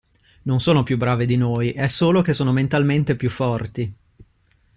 Non sono più brave di noi, è solo che sono mentalmente più forti.